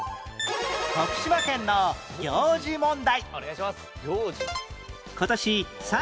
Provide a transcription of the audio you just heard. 徳島県の行事問題